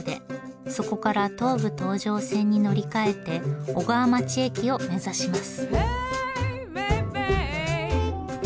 そこから東武東上線に乗り換えて小川町駅を目指します。